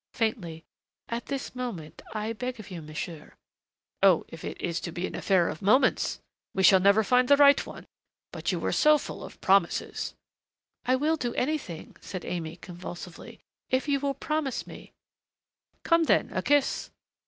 Faintly, "At this moment I beg of you, monsieur " "Oh, if it is to be an affair of moments! We shall never find the right one. But you were so full of promises " "I will do anything," said Aimée, convulsively, "if you will promise me " "Come, then a kiss.